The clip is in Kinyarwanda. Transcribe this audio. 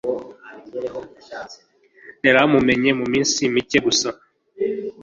Yaramumenye muminsi mike gusa.